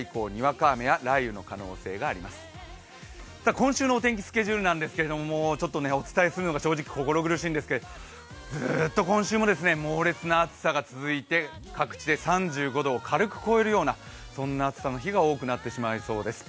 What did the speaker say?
今週のお天気スケジュールですけれども、お伝えするのは正直心苦しいんですが、ずっと今週も猛烈な暑さが続いて各地で３５度を軽く超えるようなそんな暑さの日が多くなってしまいそうです。